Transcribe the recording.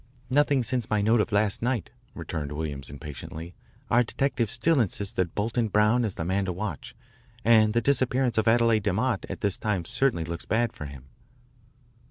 "Nothing since my note of last night," returned Williams impatiently. "Our detectives still insist that Bolton Brown is the man to watch, and the disappearance of Adele DeMott at this time certainly looks bad for him."